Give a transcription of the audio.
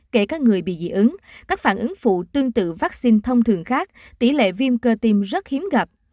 kể cả người bị dị ứng các phản ứng phụ tương tự vaccine thông thường khác tỷ lệ viêm cơ tim rất hiếm gặp